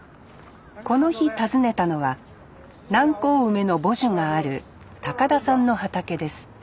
この日訪ねたのは南高梅の母樹がある田さんの畑です